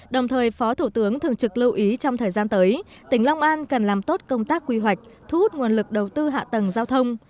đồng thời phó thủ tướng thường trực lưu ý trong thời gian tới tỉnh long an cần làm tốt công tác quy hoạch thu hút nguồn lực đầu tư hạ tầng giao thông